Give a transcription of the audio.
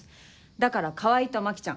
だから川合と牧ちゃん